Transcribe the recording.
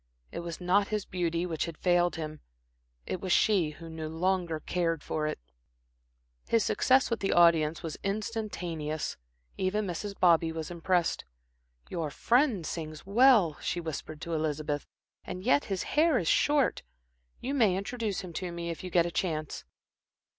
It was not his beauty which had failed him, it was she who no longer cared for it. His success with the audience was instantaneous. Even Mrs. Bobby was impressed. "Your friend sings well," she whispered to Elizabeth, "and yet his hair is short. You may introduce him to me if you get a chance."